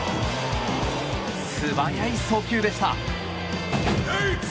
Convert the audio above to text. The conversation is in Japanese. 素早い送球でした。